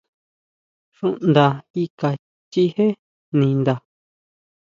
Xuʼnda kika chijé ninda.